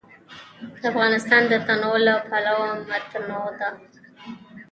افغانستان د تنوع له پلوه متنوع دی.